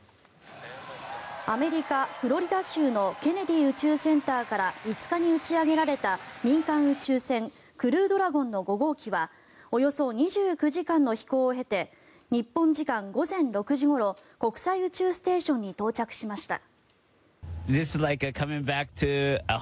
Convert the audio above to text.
アメリカ・フロリダ州のケネディ宇宙センターから５日に打ち上げられた民間宇宙船クルードラゴンの５号機はおよそ２９時間の飛行を経て日本時間午前６時ごろ国際宇宙ステーションに到着しました。